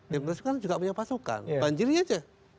tim persmi kan juga punya pasokan banjiri aja